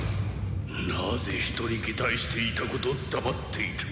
なぜ人に擬態していたこと黙っていた？